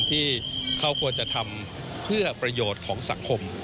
ที่เขาควรจะทำเพื่อประโยชน์ของสังคม